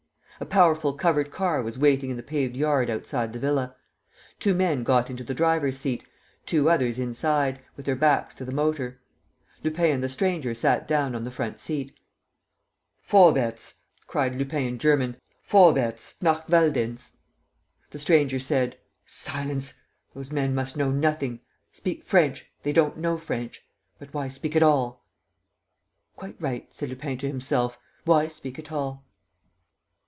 A powerful covered car was waiting in the paved yard outside the villa. Two men got into the driver's seat, two others inside, with their backs to the motor. Lupin and the stranger sat down on the front seat. "Vorwarts!" cried Lupin, in German. "Vorwarts nach Veldenz!" The stranger said: "Silence! Those men must know nothing. Speak French. They don't know French. But why speak at all?" "Quite right," said Lupin to himself. "Why speak at all?"